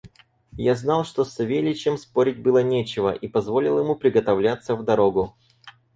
Я знал, что с Савельичем спорить было нечего, и позволил ему приготовляться в дорогу.